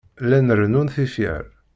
Llan rennun tifyar.